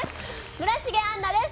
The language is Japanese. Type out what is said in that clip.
村重杏奈です。